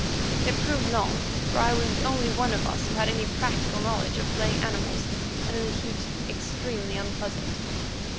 It proved long, for I was the only one of us who had any practical knowledge of flaying animals, and in that heat extremely unpleasant.